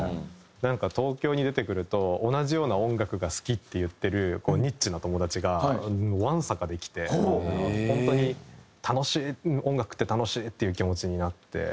なんか東京に出てくると同じような音楽が好きって言ってるニッチな友達がわんさかできて本当に楽しい音楽って楽しいっていう気持ちになって。